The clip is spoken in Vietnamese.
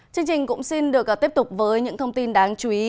chương trình cũng xin được tiếp tục với những thông tin đáng chú ý